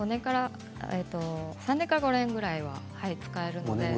３年から５年ぐらいは使えます。